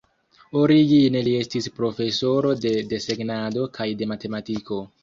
Origine li estis profesoro de desegnado kaj de matematiko.